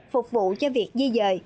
phục vụ cho việc di dời